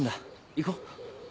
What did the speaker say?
行こう？